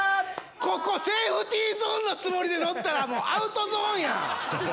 ここセーフティーゾーンのつもりで乗ったらアウトゾーンや。